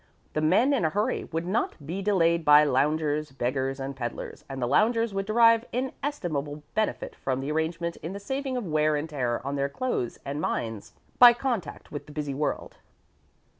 The men in a hurry would not be delayed by loungers, beggars, and peddlers, and the loungers would derive inestimable benefit from the arrangement in the saving of wear and tear on their clothes and minds by contact with the busy world."